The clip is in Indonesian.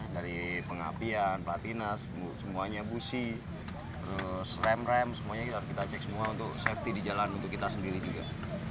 dari pengapian platinas semuanya busi terus rem rem semuanya harus kita cek semua untuk safety di jalan untuk kita sendiri juga